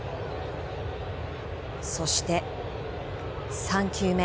そして３球目。